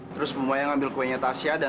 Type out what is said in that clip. terus bu maya ngambil kuenya tasya dan kemudian